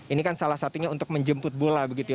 ini kan salah satunya untuk menjemput bola begitu ya